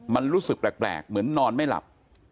มันรู้สึกแปลกเหมือนนอนไม่หลับ